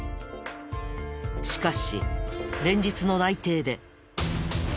しかし連日の内偵で。